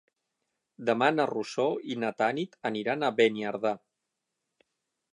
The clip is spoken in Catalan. Demà na Rosó i na Tanit aniran a Beniardà.